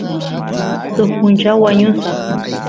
suk punchaw wañusaq